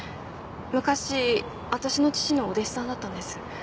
昔私の父のお弟子さんだったんです。